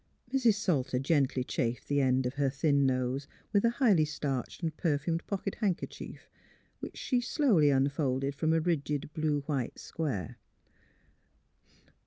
Mrs. Salter gently chafed the end of her thin nose with a highly starched and perfumed pocket handkerchief, which she slowly unfolded from a rigid blue white square.